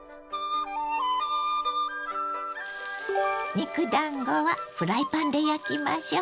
肉だんごはフライパンで焼きましょう。